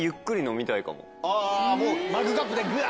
あぁもうマグカップでガァ！